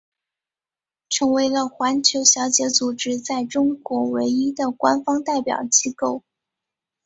成为了环球小姐组织在中国唯一的官方代表机构。